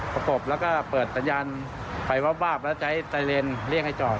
ประกบแล้วก็เปิดสัญญาณไฟวาบแล้วใช้ไซเลนเรียกให้จอด